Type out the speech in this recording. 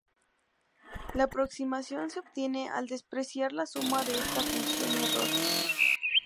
La aproximación se obtiene al despreciar la suma de esta función error.